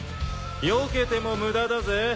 よけても無駄だぜ。